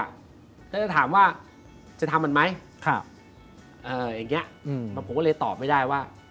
ก็จะถามว่าจะทำมันไหมผมก็เลยตอบไม่ได้ว่า